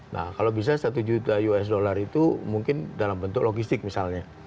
nah kalau bisa satu juta usd itu mungkin dalam bentuk logistik misalnya